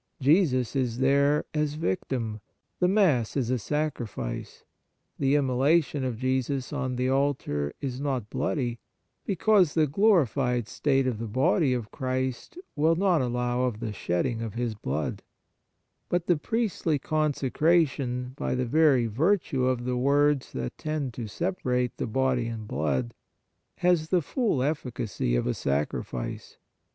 Jesus is there as Victim ; the Mass is a Sacrifice. The immola tion of Jesus on the altar is not bloody, because the glorified state of the 68 Holy Mass Body of Christ will not allow of the shedding of His blood ; but the priestly consecration, by the very virtue of the words that tend to separate the Body and Blood, has the full efficacy of a sacrifice.